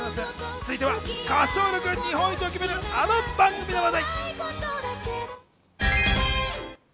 続いては歌唱力日本一を決めるあの番組の話題。